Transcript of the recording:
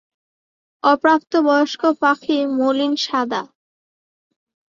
অপ্রাপ্তবয়স্ক পাখি মলিন সাদা।